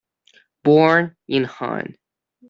Born in Hann.